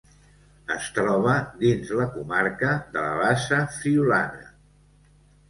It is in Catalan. Es troba dins la comarca de la Bassa Friülana.